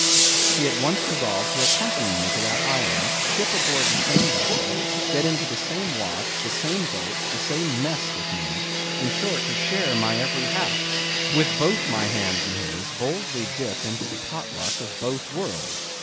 He at once resolved to accompany me to that island, ship aboard the same vessel, get into the same watch, the same boat, the same mess with me, in short to share my every hap; with both my hands in his, boldly dip into the Potluck of both worlds.